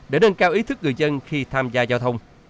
để nâng cao ý thức người dân khi tham gia giao thông